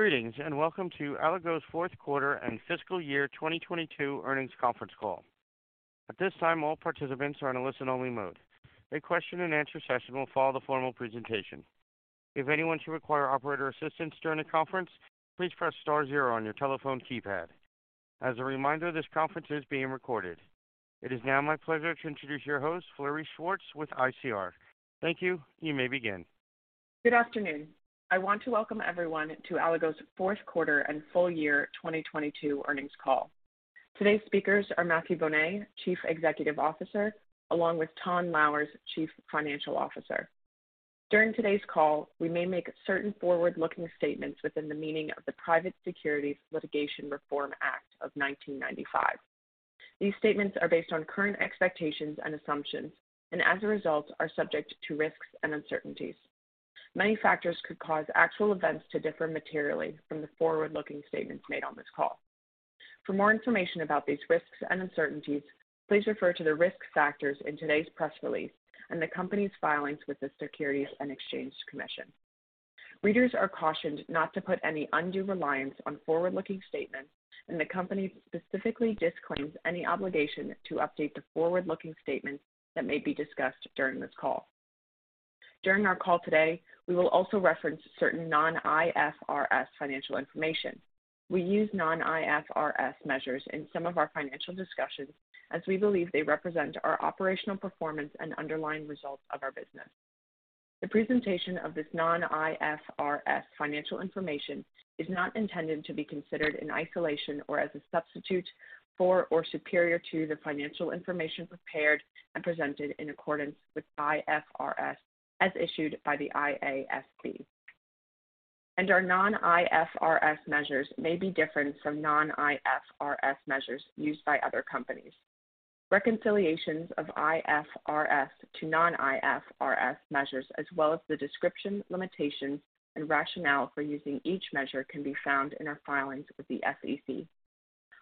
Greetings, and welcome to Allego's fourth quarter and fiscal year 2022 earnings conference call. At this time, all participants are in a listen-only mode. A question and answer session will follow the formal presentation. If anyone should require operator assistance during the conference, please press star zero on your telephone keypad. As a reminder, this conference is being recorded. It is now my pleasure to introduce your host, Florencia Panvini with ICR. Thank you. You may begin. Good afternoon. I want to welcome everyone to Allego's fourth quarter and full year 2022 earnings call. Today's speakers are Mathieu Bonnet, Chief Executive Officer, along with Ton Louwers, Chief Financial Officer. During today's call, we may make certain forward-looking statements within the meaning of the Private Securities Litigation Reform Act of 1995. These statements are based on current expectations and assumptions and, as a result, are subject to risks and uncertainties. Many factors could cause actual events to differ materially from the forward-looking statements made on this call. For more information about these risks and uncertainties, please refer to the risk factors in today's press release and the company's filings with the Securities and Exchange Commission. Readers are cautioned not to put any undue reliance on forward-looking statements, and the company specifically disclaims any obligation to update the forward-looking statements that may be discussed during this call. During our call today, we will also reference certain non-IFRS financial information. We use non-IFRS measures in some of our financial discussions as we believe they represent our operational performance and underlying results of our business. The presentation of this non-IFRS financial information is not intended to be considered in isolation or as a substitute for or superior to the financial information prepared and presented in accordance with IFRS as issued by the IASB. Our non-IFRS measures may be different from non-IFRS measures used by other companies. Reconciliations of IFRS to non-IFRS measures, as well as the description, limitations, and rationale for using each measure can be found in our filings with the SEC.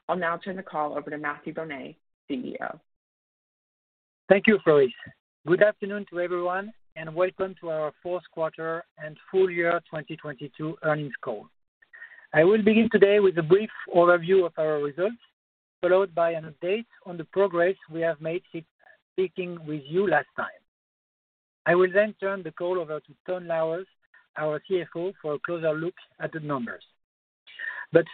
I'll now turn the call over to Mathieu Bonnet, CEO. Thank you, Florencia. Good afternoon to everyone, welcome to our fourth quarter and full year 2022 earnings call. I will begin today with a brief overview of our results, followed by an update on the progress we have made since speaking with you last time. I will then turn the call over to Ton Louwers, our CFO, for a closer look at the numbers.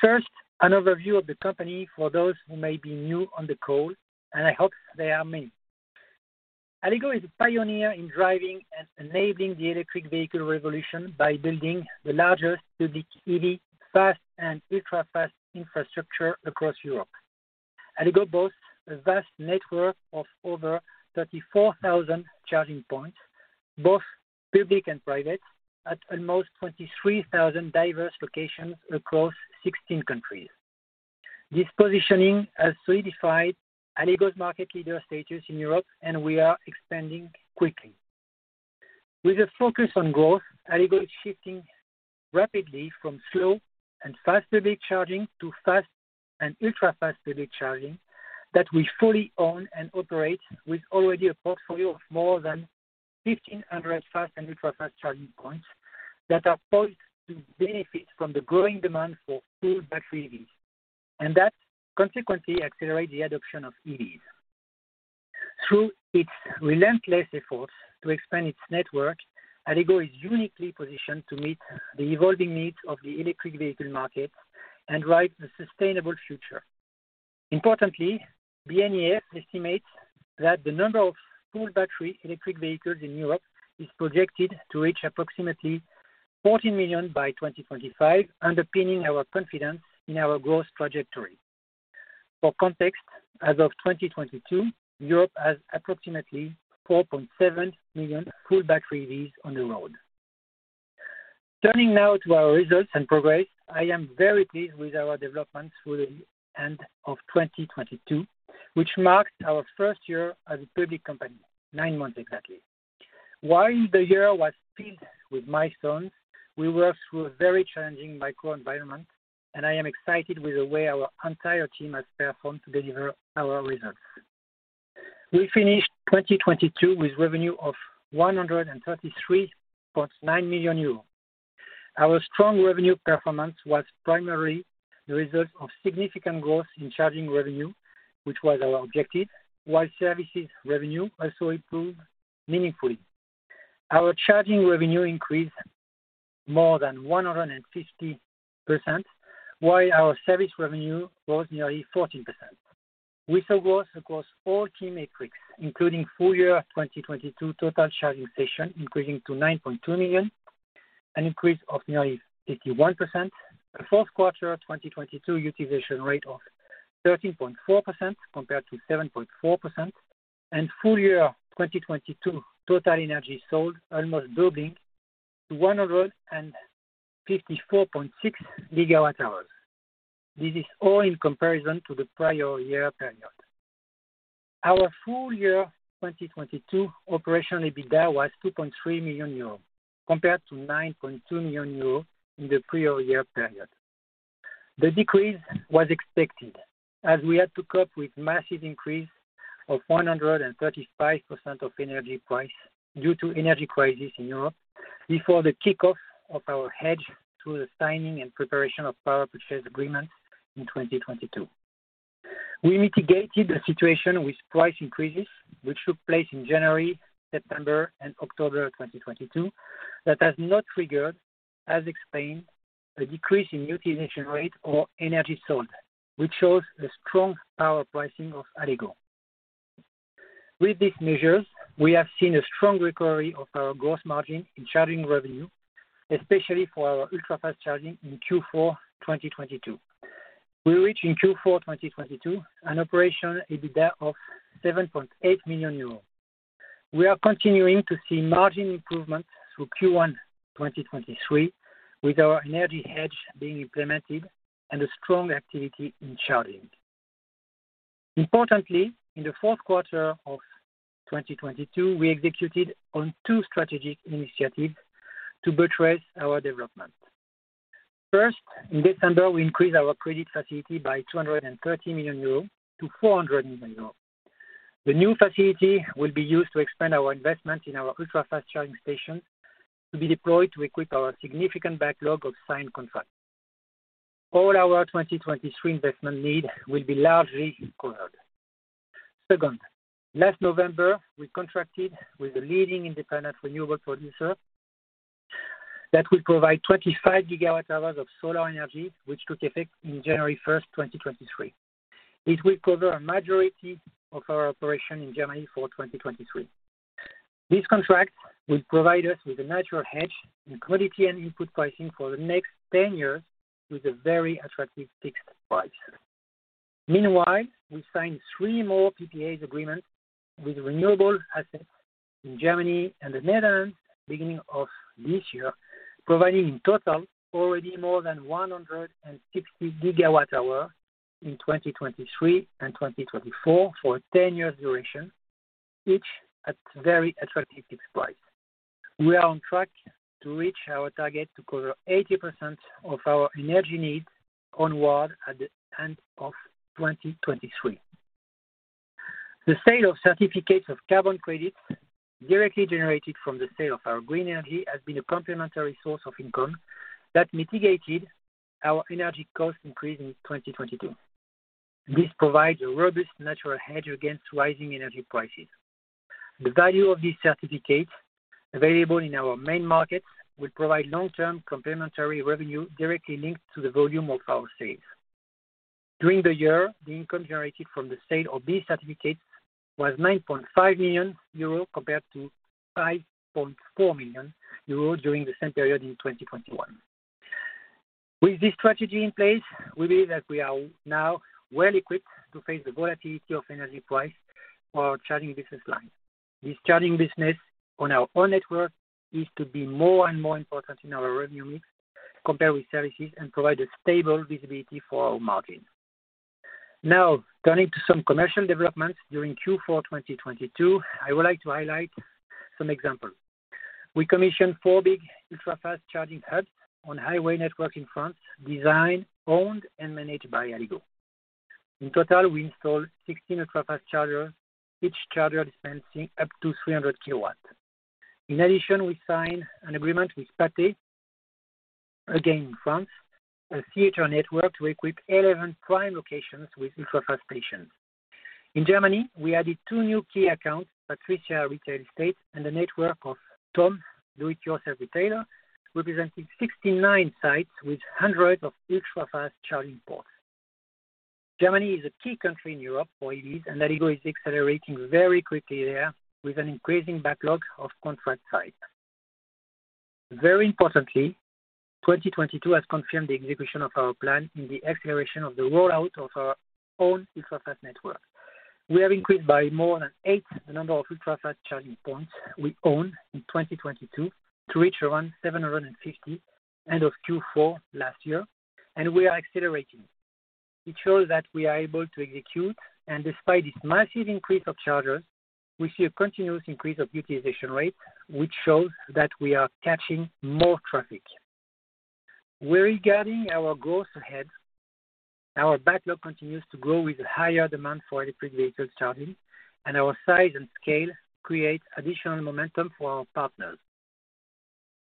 First, an overview of the company for those who may be new on the call, I hope they are many. Allego is a pioneer in driving and enabling the electric vehicle revolution by building the largest public EV fast and ultra-fast infrastructure across Europe. Allego boasts a vast network of over 34,000 charging points, both public and private, at almost 23,000 diverse locations across 16 countries. This positioning has solidified Allego's market leader status in Europe, we are expanding quickly. With a focus on growth, Allego is shifting rapidly from slow and fast public charging to fast and ultra-fast public charging that we fully own and operate with already a portfolio of more than 1,500 fast and ultra-fast charging points that are poised to benefit from the growing demand for full battery EVs. That consequently accelerate the adoption of EVs. Through its relentless efforts to expand its network, Allego is uniquely positioned to meet the evolving needs of the electric vehicle market and ride the sustainable future. Importantly, BNEF estimates that the number of full battery electric vehicles in Europe is projected to reach approximately 14 million by 2025, underpinning our confidence in our growth trajectory. For context, as of 2022, Europe has approximately 4.7 million full battery EVs on the road. Turning now to our results and progress, I am very pleased with our developments through the end of 2022, which marks our first year as a public company, 9 months exactly. While the year was filled with milestones, we worked through a very challenging macro environment, and I am excited with the way our entire team has performed to deliver our results. We finished 2022 with revenue of 133.9 million euros. Our strong revenue performance was primarily the result of significant growth in charging revenue, which was our objective, while services revenue also improved meaningfully. Our charging revenue increased more than 150%, while our service revenue grows nearly 14%. We saw growth across all key metrics, including full year 2022 total charging station, increasing to 9.2 million, an increase of nearly 51%. A fourth quarter 2022 utilization rate of 13.4% compared to 7.4%. Full year 2022 total energy sold almost doubling to 154.6GW hours. This is all in comparison to the prior year period. Our full year 2022 Operational EBITDA was 2.3 million euros, compared to 9.2 million euros in the prior year period. The decrease was expected as we had to cope with massive increase of 135% of energy price due to energy crisis in Europe before the kickoff of our hedge through the signing and preparation of Power Purchase Agreements in 2022. We mitigated the situation with price increases, which took place in January, September and October 2022, that has not triggered, as explained, a decrease in utilization rate or energy sold, which shows the strong power pricing of Allego. With these measures, we have seen a strong recovery of our gross margin in charging revenue, especially for our ultra-fast charging in Q4 2022. We reach in Q4 2022 an Operational EBITDA of 7.8 million euros. We are continuing to see margin improvements through Q1 2023, with our energy hedge being implemented and a strong activity in charging. Importantly, in the fourth quarter of 2022, we executed on two strategic initiatives to buttress our development. First, in December, we increased our credit facility by 230 million euros to 400 million euros. The new facility will be used to expand our investment in our ultra-fast charging stations to be deployed to equip our significant backlog of signed contracts. All our 2023 investment need will be largely covered. Second, last November, we contracted with the leading independent renewable producer that will provide 25GW hours of solar energy, which took effect in January 1st, 2023. It will cover a majority of our operation in Germany for 2023. This contract will provide us with a natural hedge in commodity and input pricing for the next 10 years with a very attractive fixed price. We signed 3 more PPAs agreements with renewable assets in Germany and the Netherlands beginning of this year, providing in total already more than 160GW hours in 2023 and 2024 for a 10-year duration, each at very attractive fixed price. We are on track to reach our target to cover 80% of our energy needs onward at the end of 2023. The sale of certificates of carbon credits directly generated from the sale of our green energy has been a complementary source of income that mitigated our energy cost increase in 2022. This provides a robust natural hedge against rising energy prices. The value of these certificates available in our main markets will provide long-term complementary revenue directly linked to the volume of our sales. During the year, the income generated from the sale of these certificates was 9.5 million euro compared to 5.4 million euro during the same period in 2021. With this strategy in place, we believe that we are now well equipped to face the volatility of energy price for our charging business line. This charging business on our own network is to be more and more important in our revenue mix compared with services and provide a stable visibility for our margin. Turning to some commercial developments during Q4 2022, I would like to highlight some examples. We commissioned four big ultra-fast charging hubs on highway network in France, designed, owned, and managed by Allego. In total, we installed 16 ultra-fast chargers, each charger dispensing up to 300 kW. We signed an agreement with Pathé, again in France, a theater network, to equip 11 prime locations with ultra-fast stations. In Germany, we added two new key accounts, Patrizia, and a network of toom Do-It-Yourself retailer, representing 69 sites with hundreds of ultra-fast charging ports. Germany is a key country in Europe for EVs, and Allego is accelerating very quickly there with an increasing backlog of contract sites. Very importantly, 2022 has confirmed the execution of our plan in the acceleration of the rollout of our own ultra-fast network. We have increased by more than eight the number of ultra-fast charging points we own in 2022 to reach around 750 end of Q4 last year, and we are accelerating. It shows that we are able to execute, and despite this massive increase of chargers, we see a continuous increase of utilization rate, which shows that we are catching more traffic. Regarding our growth ahead, our backlog continues to grow with higher demand for electric vehicle charging, and our size and scale create additional momentum for our partners.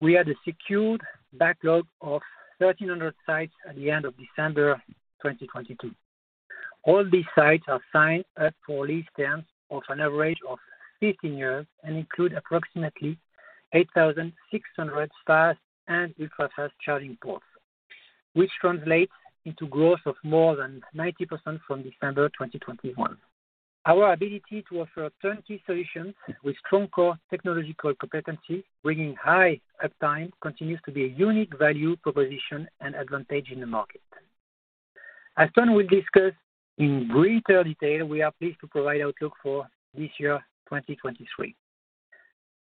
We had a secured backlog of 1,300 sites at the end of December 2022. All these sites are signed up for lease terms of an average of 15 years and include approximately 8,600 fast and ultra-fast charging ports, which translates into growth of more than 90% from December 2021. Our ability to offer turnkey solutions with strong core technological competency, bringing high uptime, continues to be a unique value proposition and advantage in the market. As Ton will discuss in greater detail, we are pleased to provide outlook for this year, 2023.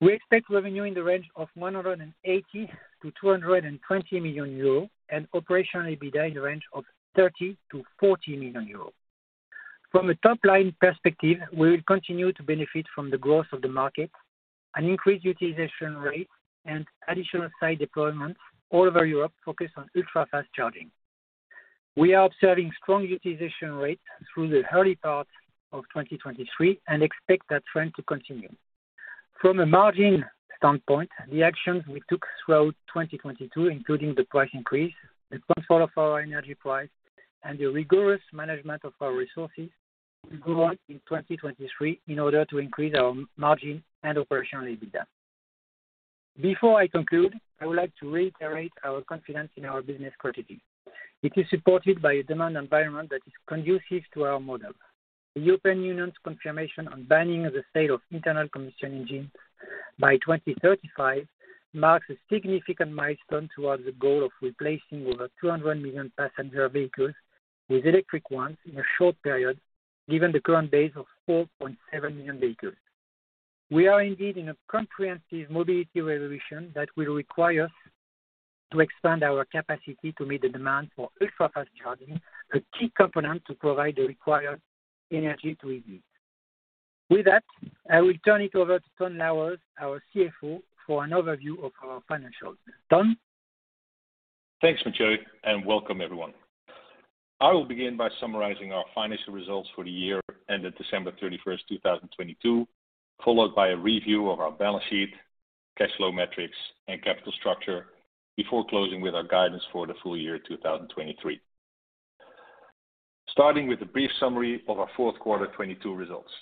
We expect revenue in the range of 180 million-220 million euro and Operational EBITDA in the range of 30 million-40 million euro. From a top-line perspective, we will continue to benefit from the growth of the market and increased utilization rate and additional site deployment all over Europe focused on ultra-fast charging. We are observing strong utilization rate through the early part of 2023 and expect that trend to continue. From a margin standpoint, the actions we took throughout 2022, including the price increase, the control of our energy price, and the rigorous management of our resources will go on in 2023 in order to increase our margin and Operational EBITDA. Before I conclude, I would like to reiterate our confidence in our business strategy. It is supported by a demand environment that is conducive to our model. The European Union's confirmation on banning the sale of internal combustion engine by 2035 marks a significant milestone towards the goal of replacing over 200 million passenger vehicles with electric ones in a short period, given the current base of 4.7 million vehicles. We are indeed in a comprehensive mobility revolution that will require us to expand our capacity to meet the demand for ultra-fast charging, a key component to provide the required energy to EV. With that, I will turn it over to Ton Louwers, our CFO, for an overview of our financials. Ton? Thanks, Mathieu, and welcome everyone. I will begin by summarizing our financial results for the year ended December 31st, 2022, followed by a review of our balance sheet, cash flow metrics, and capital structure before closing with our guidance for the full year 2023. Starting with a brief summary of our fourth quarter 2022 results.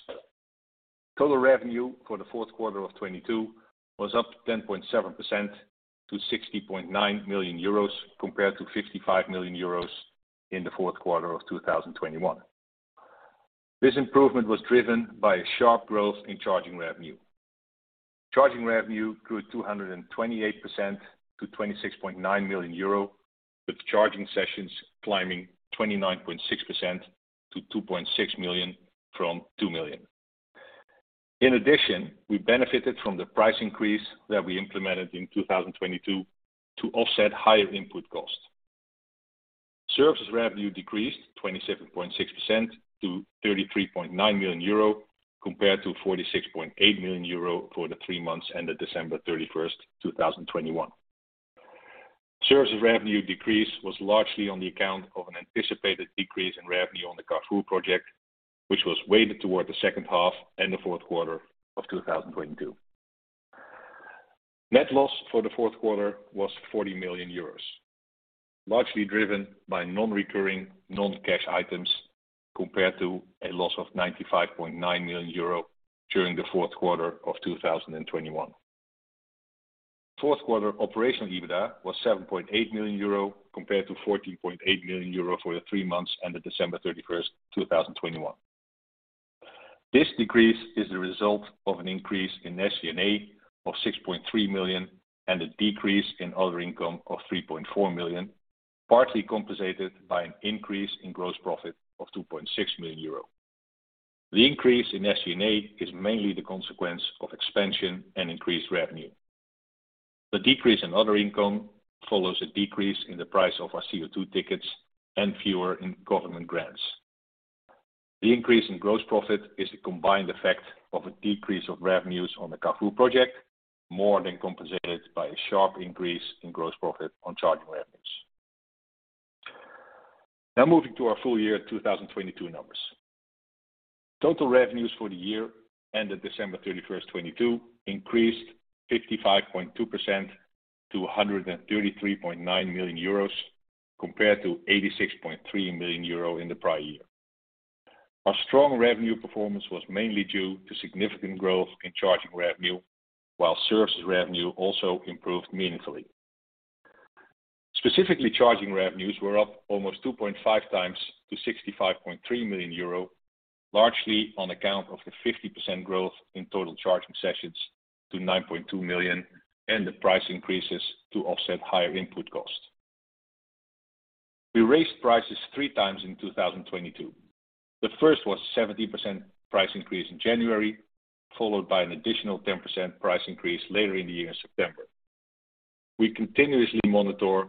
Total revenue for the fourth quarter of 2022 was up 10.7% to 60.9 million euros compared to 55 million euros in the fourth quarter of 2021. This improvement was driven by a sharp growth in charging revenue. Charging revenue grew 228% to 26.9 million euro, with charging sessions climbing 29.6% to 2.6 million from 2 million. In addition, we benefited from the price increase that we implemented in 2022 to offset higher input costs. Services revenue decreased 27.6% to 33.9 million euro compared to 46.8 million euro for the three months ended December 31st, 2021. Services revenue decrease was largely on the account of an anticipated decrease in revenue on the Carrefour project, which was weighted toward the second half and the fourth quarter of 2022. Net loss for the fourth quarter was 40 million euros, largely driven by non-recurring non-cash items compared to a loss of 95.9 million euro during the fourth quarter of 2021. Fourth quarter Operational EBITDA was 7.8 million euro compared to 14.8 million euro for the three months ended December 31st, 2021. This decrease is the result of an increase in SG&A of 6.3 million and a decrease in other income of 3.4 million, partly compensated by an increase in gross profit of 2.6 million euro. The increase in SG&A is mainly the consequence of expansion and increased revenue. The decrease in other income follows a decrease in the price of our CO2 tickets and fewer in government grants. The increase in gross profit is the combined effect of a decrease of revenues on the Carrefour project, more than compensated by a sharp increase in gross profit on charging revenues. Moving to our full year 2022 numbers. Total revenues for the year ended December 31st, 2022, increased 55.2% to 133.9 million euros, compared to 86.3 million euro in the prior year. Our strong revenue performance was mainly due to significant growth in charging revenue, while services revenue also improved meaningfully. Specifically, charging revenues were up almost 2.5 times to 65.3 million euro, largely on account of the 50% growth in total charging sessions to 9.2 million and the price increases to offset higher input costs. We raised prices 3 times in 2022. The first was 70% price increase in January, followed by an additional 10% price increase later in the year in September. We continuously monitor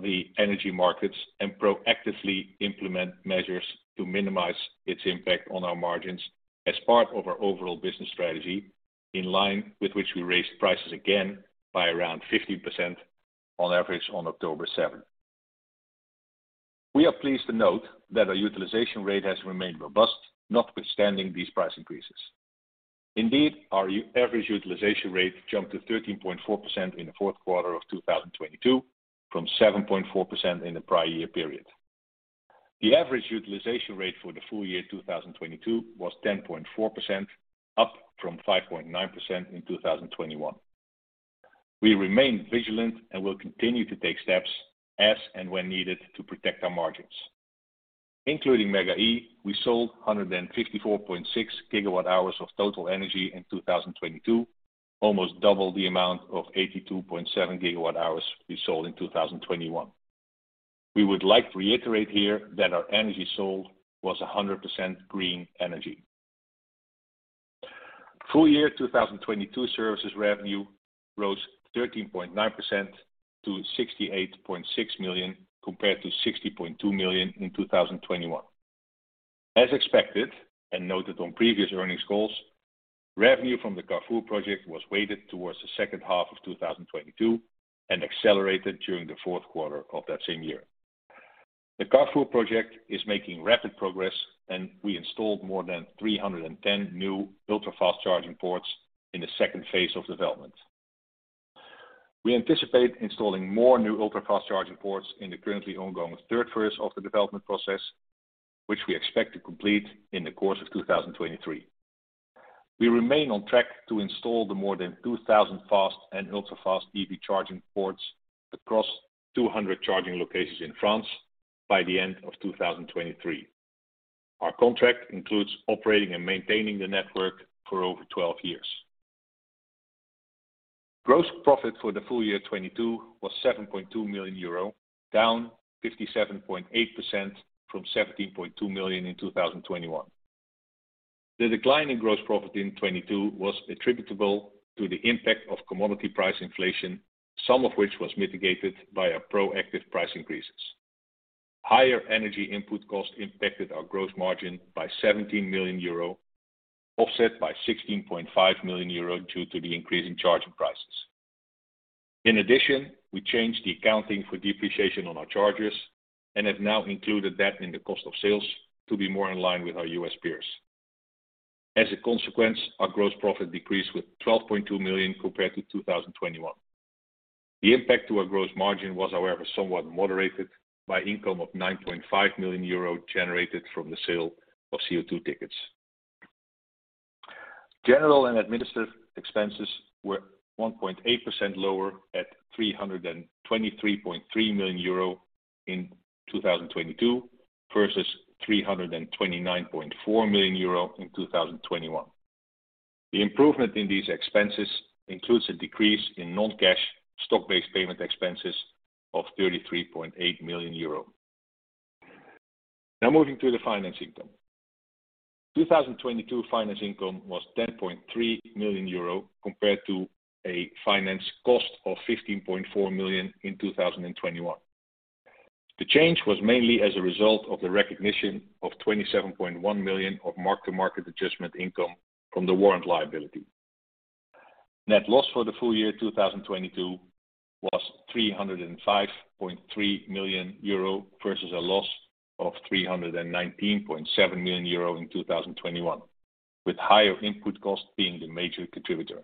the energy markets and proactively implement measures to minimize its impact on our margins as part of our overall business strategy, in line with which we raised prices again by around 15% on average on October 7th. We are pleased to note that our utilization rate has remained robust, notwithstanding these price increases. Indeed, our average utilization rate jumped to 13.4% in the fourth quarter of 2022 from 7.4% in the prior year period. The average utilization rate for the full year 2022 was 10.4%, up from 5.9% in 2021. We remain vigilant and will continue to take steps as and when needed to protect our margins. Including MEGA-E, we sold 154.6GW hours of total energy in 2022, almost double the amount of 82.7GW hours we sold in 2021. We would like to reiterate here that our energy sold was 100% green energy. Full year 2022 services revenue rose 13.9% to 68.6 million compared to 60.2 million in 2021. As expected and noted on previous earnings calls, revenue from the Carrefour project was weighted towards the second half of 2022 and accelerated during the fourth quarter of that same year. The Carrefour project is making rapid progress, and we installed more than 310 new ultra-fast charging ports in the second phase of development. We anticipate installing more new ultra-fast charging ports in the currently ongoing third phase of the development process, which we expect to complete in the course of 2023. We remain on track to install the more than 2,000 fast and ultra-fast EV charging ports across 200 charging locations in France by the end of 2023. Our contract includes operating and maintaining the network for over 12 years. Gross profit for the full year 2022 was 7.2 million euro, down 57.8% from 17.2 million in 2021. The decline in gross profit in 2022 was attributable to the impact of commodity price inflation, some of which was mitigated by our proactive price increases. Higher energy input costs impacted our gross margin by 17 million euro, offset by 16.5 million euro due to the increase in charging prices. In addition, we changed the accounting for depreciation on our chargers and have now included that in the cost of sales to be more in line with our U.S. peers. As a consequence, our gross profit decreased with 12.2 million compared to 2021. The impact to our gross margin was however, somewhat moderated by income of 9.5 million euro generated from the sale of CO2 tickets. General and administrative expenses were 1.8% lower at 323.3 million euro in 2022 versus 329.4 million euro in 2021. The improvement in these expenses includes a decrease in non-cash stock-based payment expenses of 33.8 million euro. Now moving to the finance income. 2022 finance income was 10.3 million euro compared to a finance cost of 15.4 million in 2021. The change was mainly as a result of the recognition of 27.1 million of mark-to-market adjustment income from the warrant liability. Net loss for the full year 2022 was 305.3 million euro versus a loss of 319.7 million euro in 2021, with higher input costs being the major contributor.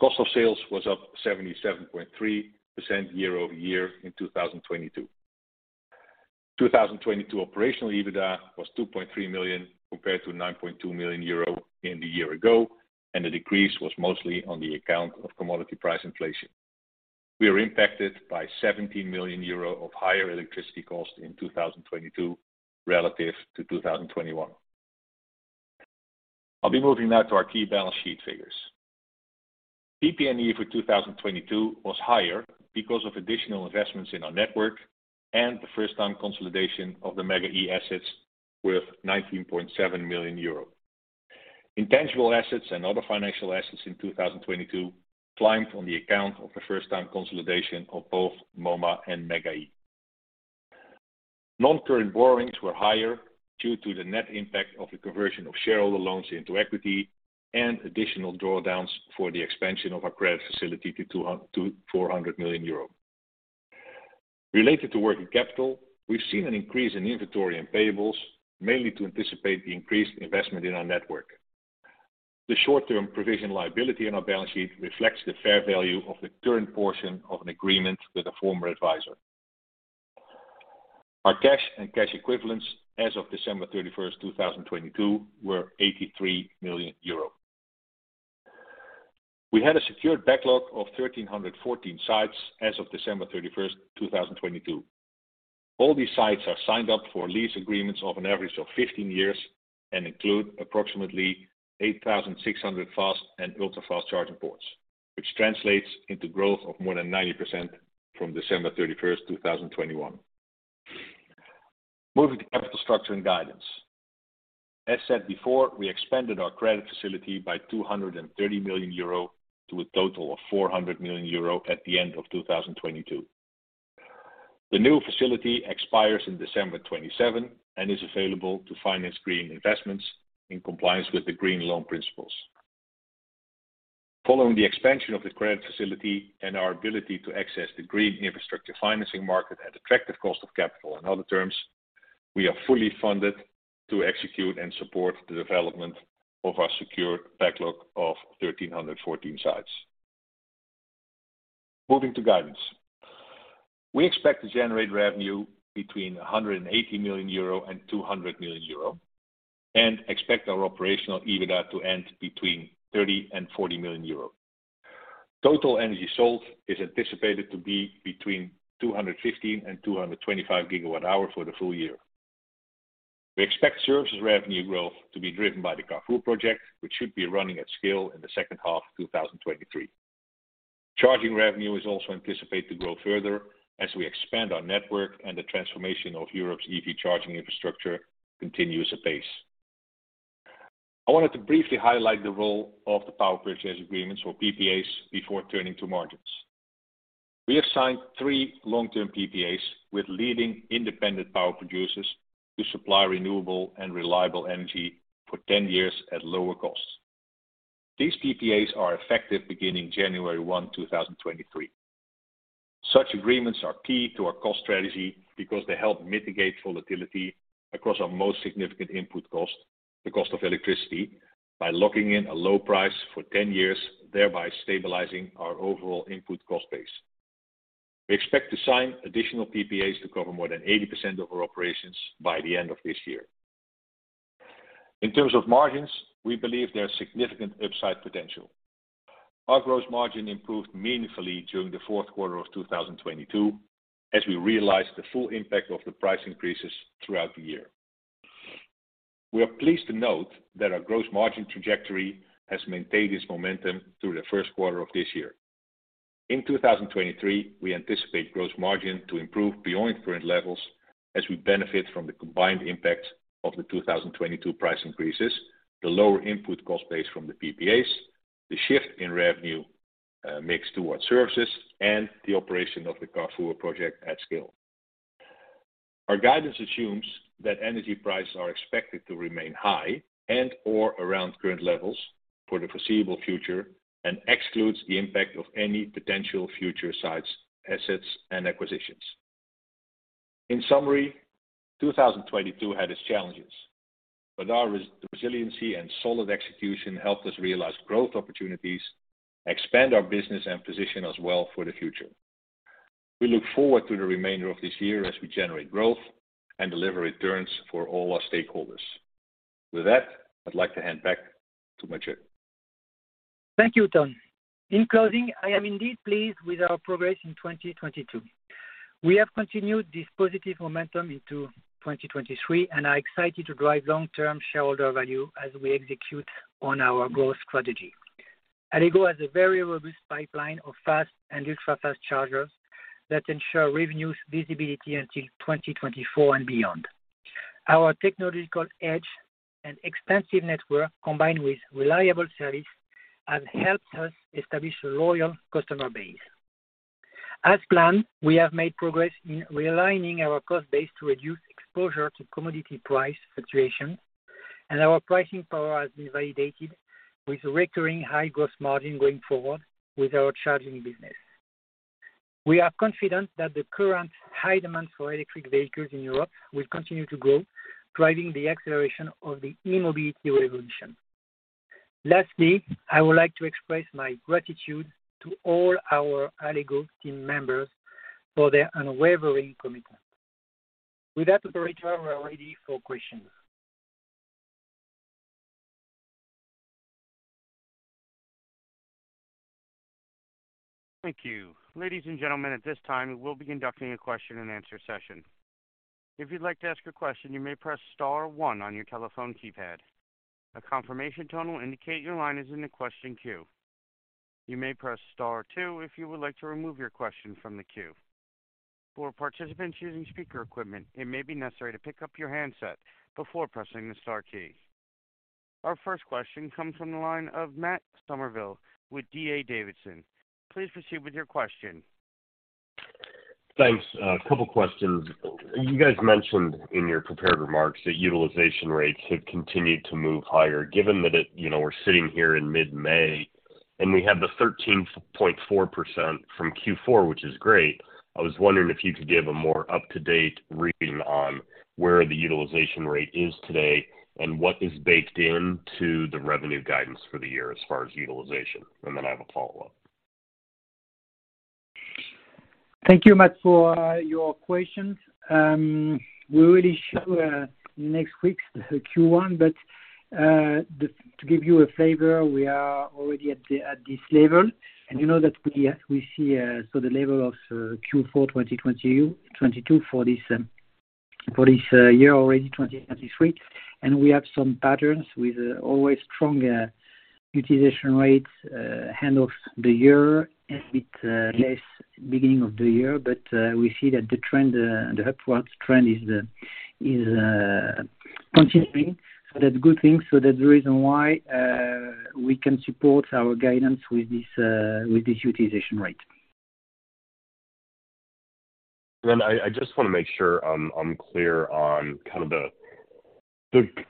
Cost of sales was up 77.3% year-over-year in 2022. 2022 Operational EBITDA was 2.3 million compared to 9.2 million euro in the year ago. The decrease was mostly on the account of commodity price inflation. We are impacted by 17 million euro of higher electricity costs in 2022 relative to 2021. I'll be moving now to our key balance sheet figures. PP&E for 2022 was higher because of additional investments in our network and the first time consolidation of the Mega-E assets worth 19.7 million euro. Intangible assets and other financial assets in 2022 climbed on the account of the first time consolidation of both MOMA and Mega-E. Non-current borrowings were higher due to the net impact of the conversion of shareholder loans into equity and additional drawdowns for the expansion of our credit facility to 400 million euro. Related to working capital, we've seen an increase in inventory and payables, mainly to anticipate the increased investment in our network. The short-term provision liability on our balance sheet reflects the fair value of the current portion of an agreement with a former advisor. Our cash and cash equivalents as of December 31st, 2022, were 83 million euro. We had a secured backlog of 1,314 sites as of December 31st, 2022. All these sites are signed up for lease agreements of an average of 15 years and include approximately 8,600 fast and ultra-fast charging ports, which translates into growth of more than 90% from December 31st, 2021. Moving to capital structure and guidance. As said before, we expanded our credit facility by 230 million euro to a total of 400 million euro at the end of 2022. The new facility expires in December 2027 and is available to finance green investments in compliance with the Green Loan Principles. Following the expansion of the credit facility and our ability to access the green infrastructure financing market at attractive cost of capital and other terms, we are fully funded to execute and support the development of our secured backlog of 1,314 sites. Moving to guidance. We expect to generate revenue between 180 million euro and 200 million euro and expect our Operational EBITDA to end between 30 million and 40 million euro. Total energy sold is anticipated to be between 215 and 225 GW-hour for the full year. We expect services revenue growth to be driven by the Carrefour project, which should be running at scale in the second half of 2023. Charging revenue is also anticipated to grow further as we expand our network and the transformation of Europe's EV charging infrastructure continues apace. I wanted to briefly highlight the role of the power purchase agreements or PPAs before turning to margins. We have signed three long-term PPAs with leading independent power producers to supply renewable and reliable energy for 10 years at lower costs. These PPAs are effective beginning January 1, 2023. Such agreements are key to our cost strategy because they help mitigate volatility across our most significant input cost, the cost of electricity, by locking in a low price for 10 years, thereby stabilizing our overall input cost base. We expect to sign additional PPAs to cover more than 80% of our operations by the end of this year. In terms of margins, we believe there's significant upside potential. Our gross margin improved meaningfully during the fourth quarter of 2022 as we realized the full impact of the price increases throughout the year. We are pleased to note that our gross margin trajectory has maintained its momentum through the first quarter of this year. In 2023, we anticipate gross margin to improve beyond current levels as we benefit from the combined impact of the 2022 price increases, the lower input cost base from the PPAs, the shift in revenue mix towards services, and the operation of the Carrefour project at scale. Our guidance assumes that energy prices are expected to remain high and/or around current levels for the foreseeable future and excludes the impact of any potential future sites, assets, and acquisitions. In summary, 2022 had its challenges, but our resiliency and solid execution helped us realize growth opportunities, expand our business, and position us well for the future. We look forward to the remainder of this year as we generate growth and deliver returns for all our stakeholders. With that, I'd like to hand back to Mathieu. Thank you, Ton. In closing, I am indeed pleased with our progress in 2022. We have continued this positive momentum into 2023 and are excited to drive long-term shareholder value as we execute on our growth strategy. Allego has a very robust pipeline of fast and ultra-fast chargers that ensure revenues visibility until 2024 and beyond. Our technological edge and extensive network, combined with reliable service, have helped us establish a loyal customer base. As planned, we have made progress in realigning our cost base to reduce exposure to commodity price fluctuations, and our pricing power has been validated with recurring high gross margin going forward with our charging business. We are confident that the current high demand for electric vehicles in Europe will continue to grow, driving the acceleration of the e-mobility revolution. Lastly, I would like to express my gratitude to all our Allego team members for their unwavering commitment. With that, Operator, we are ready for questions. Thank you. Ladies and gentlemen, at this time, we will be conducting a question and answer session. If you'd like to ask a question, you may press star one on your telephone keypad. A confirmation tone will indicate your line is in the question queue. You may press star two if you would like to remove your question from the queue. For participants using speaker equipment, it may be necessary to pick up your handset before pressing the star key. Our first question comes from the line of Matt Summerville with D.A. Davidson. Please proceed with your question. Thanks. A couple questions. You guys mentioned in your prepared remarks that utilization rates have continued to move higher. Given that, you know, we're sitting here in mid-May, and we have the 13.4% from Q4, which is great. I was wondering if you could give a more up-to-date reading on where the utilization rate is today and what is baked into the revenue guidance for the year as far as utilization? Then I have a follow-up. Thank you, Matt, for your questions. We'll really show next week's Q1, but to give you a flavor, we are already at this level. You know that we see the level of Q4 2022 for this for this year already, 2023. We have some patterns with always strong utilization rates end of the year and a bit less beginning of the year. We see that the trend, the upwards trend is continuing. That's a good thing. That's the reason why we can support our guidance with this with this utilization rate. I just want to make sure I'm clear on kind of the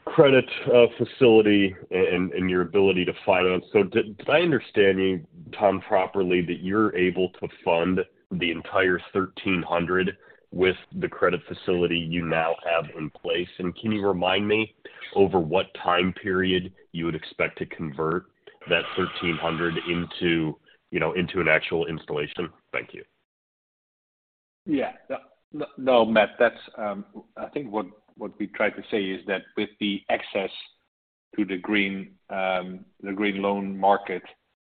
credit and your ability to finance. Did I understand you, Ton, properly that you're able to fund the entire 1,300 with the credit facility you now have in place? Can you remind me over what time period you would expect to convert that 1,300 into, you know, into an actual installation? Thank you. Yeah. No, Matt, that's, I think what we tried to say is that with the access to the green, the Green Loan market,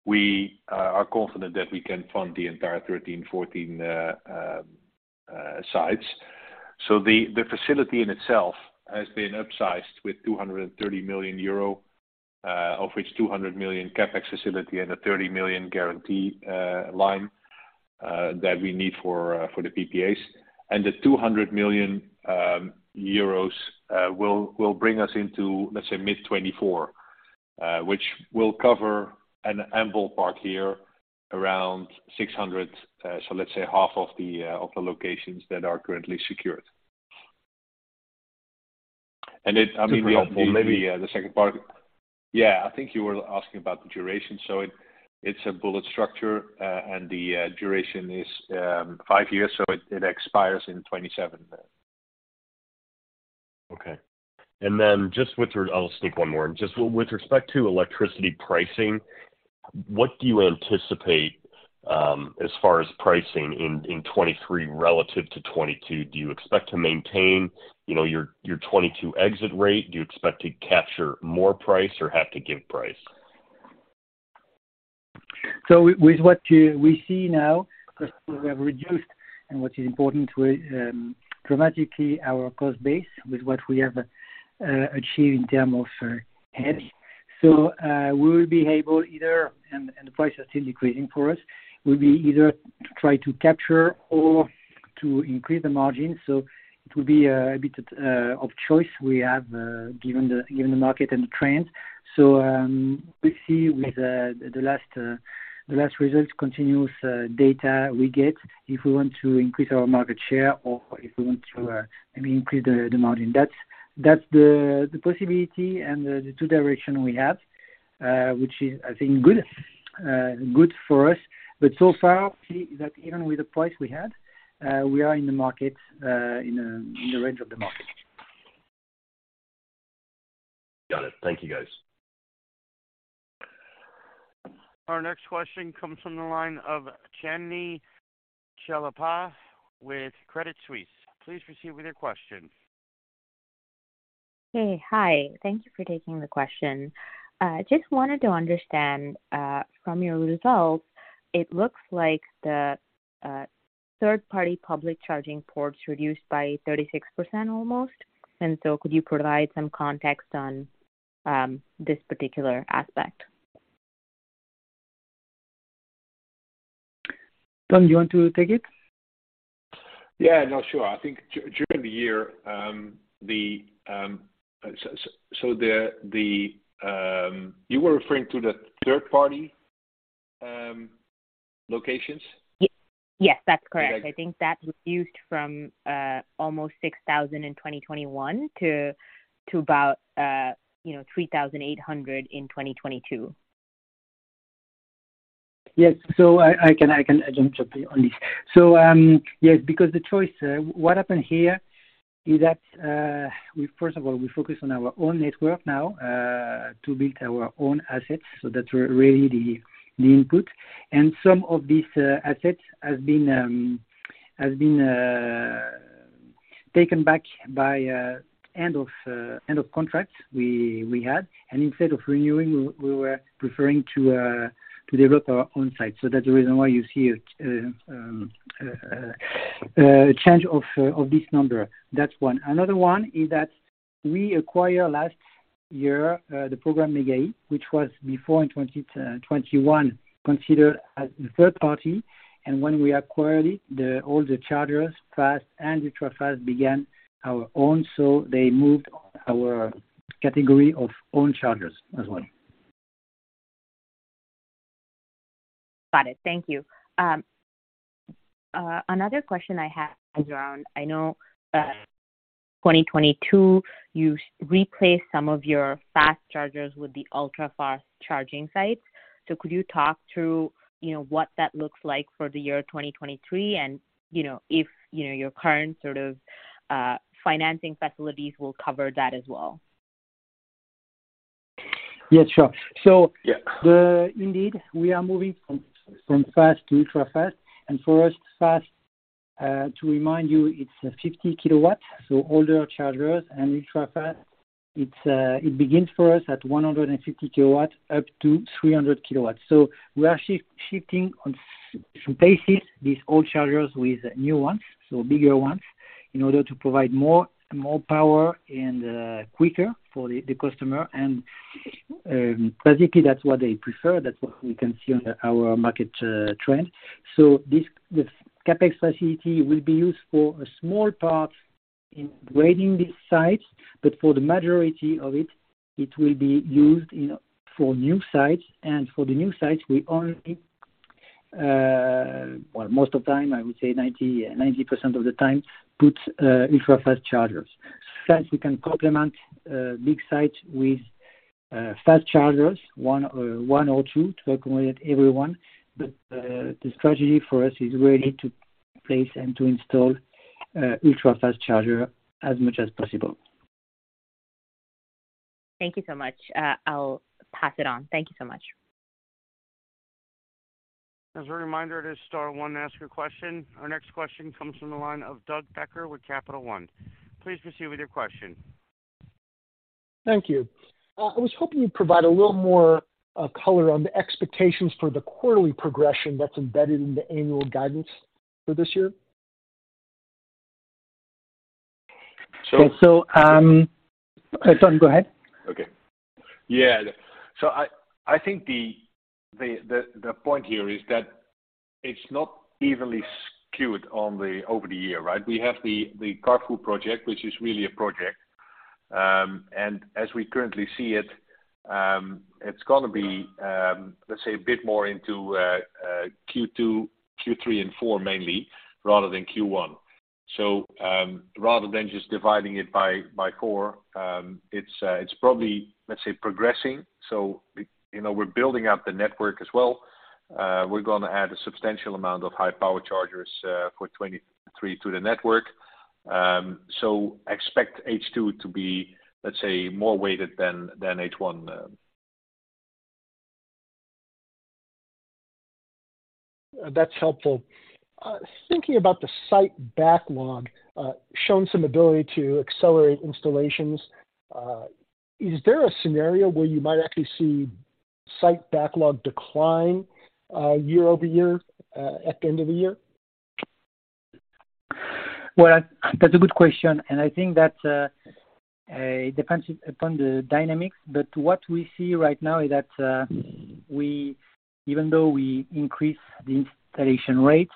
we are confident that we can fund the entire 13-14 sites. So the facility in itself has been upsized with 230 million euro, of which 200 million CapEx facility and a 30 million guarantee line that we need for the PPAs. The 200 million euros will bring us into, let's say, mid-2024, which will cover an ample park here around 600, so let's say half of the locations that are currently secured. I mean, maybe the second part. Yeah, I think you were asking about the duration. It's a bullet structure, and the duration is 5 years, it expires in 2027. Okay. Just with I'll sneak one more. Just with respect to electricity pricing, what do you anticipate, as far as pricing in 2023 relative to 2022? Do you expect to maintain, you know, your 2022 exit rate? Do you expect to capture more price or have to give price? With what we see now, first of all, we have reduced, and what is important, we dramatically our cost base with what we have achieved in terms of hedge. We will be able either, and the prices are still decreasing for us, we will be either try to capture or to increase the margin. It will be a bit of choice we have given the market and the trend. We see with the last results continuous data we get, if we want to increase our market share or if we want to, I mean, increase the margin. That's the possibility and the two direction we have, which is, I think, good good for us. So far, see that even with the price we had, we are in the market, in the range of the market. Got it. Thank you, guys. Our next question comes from the line of Chandni Luthra with Credit Suisse. Please proceed with your question. Hey. Hi. Thank you for taking the question. Just wanted to understand, from your results, it looks like the third-party public charging ports reduced by 36% almost. Could you provide some context on this particular aspect? Ton, do you want to take it? No, sure. I think during the year, the. You were referring to the third party locations? Yes, that's correct. I think that reduced from almost 6,000 in 2021 to about, you know, 3,800 in 2022. Yes. I can jump on this. Yes, because the choice, what happened here is that we first of all, we focus on our own network now, to build our own assets. That's really the input. Some of these assets has been taken back by end of contract we had. Instead of renewing, we were preferring to develop our own site. That's the reason why you see a change of this number. That's one. Another one is that we acquire last year, the program Mega-E, which was before in 20, 21, considered as the third party. When we acquired it, all the chargers, fast and ultra fast began our own. They moved our category of own chargers as well. Got it. Thank you. Another question I have is around, I know, 2022, you replaced some of your fast chargers with the ultra-fast charging sites. Could you talk through, you know, what that looks like for the year 2023 and, you know, if, you know, your current sort of, financing facilities will cover that as well? Yeah, sure. Yeah. Indeed, we are moving from from fast to ultra fast. For us, fast, to remind you, it's 50 kW, so older chargers and ultra-fast, it begins for us at 150 kW up to 300 kW. We are shifting on phases, these old chargers with new ones, so bigger ones, in order to provide more, more power and quicker for the customer. Basically, that's what they prefer. That's what we can see on our market trend. This, this CapEx facility will be used for a small part in grading these sites, but for the majority of it will be used for new sites. For the new sites, we only, well, most of the time, I would say 90% of the time, put ultra-fast chargers. We can complement big sites with fast chargers, one or two to accommodate everyone. The strategy for us is really to place and to install ultra-fast charger as much as possible. Thank you so much. I'll pass it on. Thank you so much. As a reminder, it is star one to ask your question. Our next question comes from the line of Abhi Sinha with Capital One. Please proceed with your question. Thank you. I was hoping you'd provide a little more color on the expectations for the quarterly progression that's embedded in the annual guidance for this year. Sorry, go ahead. Okay. Yeah. I think the point here is that it's not evenly skewed over the year, right? We have the Carrefour project, which is really a project. As we currently see it's gonna be, let's say, a bit more into Q two, Q three, and four, mainly, rather than Q one. Rather than just dividing it by core, it's probably, let's say, progressing. You know, we're building up the network as well. We're gonna add a substantial amount of high power chargers for 2023 to the network. Expect H2 to be, let's say, more weighted than H1. That's helpful. Thinking about the site backlog, shown some ability to accelerate installations. Is there a scenario where you might actually see site backlog decline, year-over-year, at the end of the year? That's a good question, and I think that it depends upon the dynamics, but what we see right now is that even though we increase the installation rate,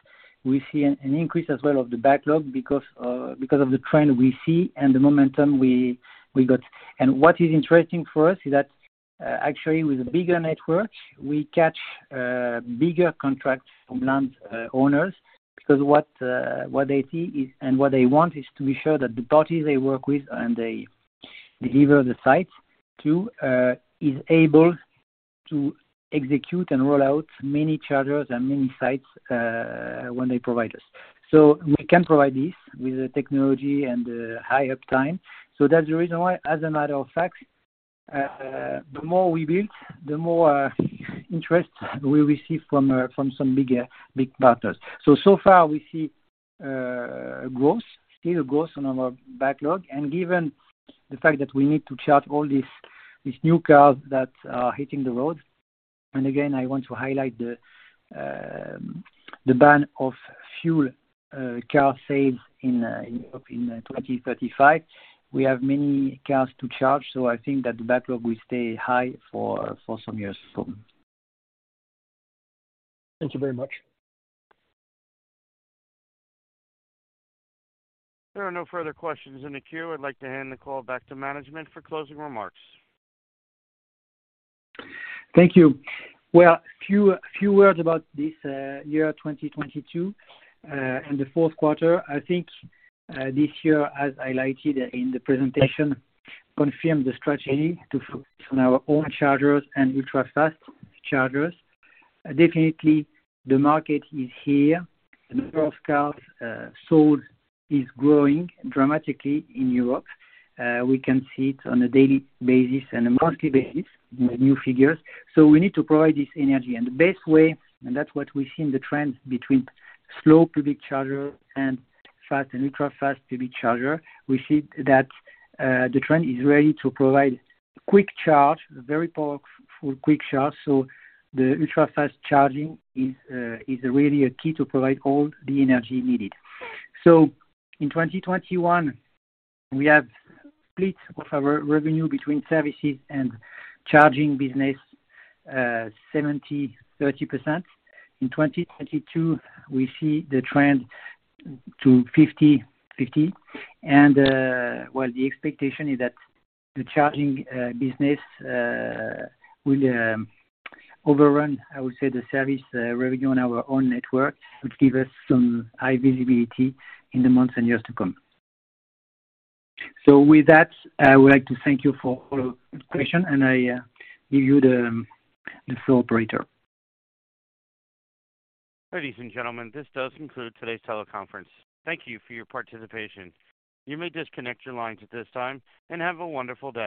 we see an increase as well of the backlog because of the trend we see and the momentum we got. What is interesting for us is that actually, with a bigger network, we catch bigger contracts from land owners because what they see is, and what they want is to be sure that the parties they work with and they deliver the site to is able to execute and roll out many chargers and many sites when they provide us. We can provide this with the technology and the high uptime. That's the reason why, as a matter of fact, the more we build, the more interest we receive from some bigger, big partners. So far we see still growth on our backlog. Given the fact that we need to charge all these new cars that are hitting the road, and again, I want to highlight the ban of fuel car sales in 2035. We have many cars to charge, so I think that the backlog will stay high for some years to come. Thank you very much. There are no further questions in the queue. I'd like to hand the call back to management for closing remarks. Thank you. Well, few words about this year 2022 and the 4th quarter. I think, this year, as highlighted in the presentation, confirmed the strategy to focus on our own chargers and ultra-fast chargers. Definitely, the market is here. The number of cars sold is growing dramatically in Europe. We can see it on a daily basis and a monthly basis with new figures. We need to provide this energy. The best way, and that's what we see in the trends between slow public charger and fast and ultra-fast public charger. We see that the trend is really to provide quick charge, very powerful quick charge, so the ultra-fast charging is really a key to provide all the energy needed. In 2021, we have split of our revenue between services and charging business, 70%-30%. In 2022, we see the trend to 50/50. Well, the expectation is that the charging business will overrun, I would say, the service revenue on our own network, which give us some high visibility in the months and years to come. With that, I would like to thank you for all the questions, and I give you the floor, Operator. Ladies and gentlemen, this does conclude today's teleconference. Thank you for your participation. You may disconnect your lines at this time, and have a wonderful day.